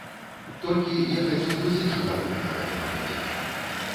Толькі я хацеў бы з іншага боку на гэта паглядзець.